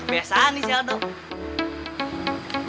kebiasaan nih sal tuh